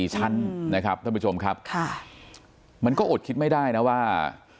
ชั้นนะครับท่านผู้ชมครับมันก็อดคิดไม่ได้นะว่า